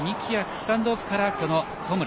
スタンドオフから小村。